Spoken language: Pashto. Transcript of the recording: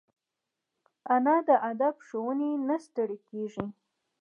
انا د ادب ښوونې نه ستړي کېږي